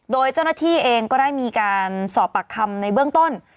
โดยเจ้าหน้าที่เองก็ได้มีการสอบปากคำในเบื้องต้น